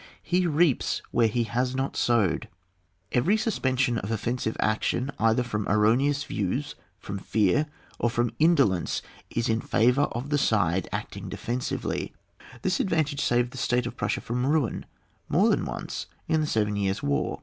He reaps where he has not sowed. Every suspension of offensive action, either from erroneous views, from fear or from indo lence, is in favour of the side acting de fensively. This advantage saved the State of Prussia from ruin more than once in the Seven Years' War.